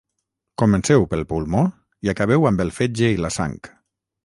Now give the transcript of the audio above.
Comenceu pel pulmó i acabeu amb el fetge i la sang